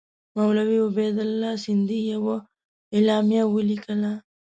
مولوي عبیدالله سندي یوه اعلامیه ولیکله.